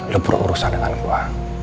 lo berurusan dengan gue